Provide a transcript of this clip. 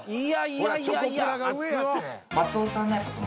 ほらチョコプラが上やて。